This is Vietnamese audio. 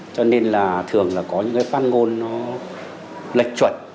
cho nên là thường có những phát ngôn lệch chuẩn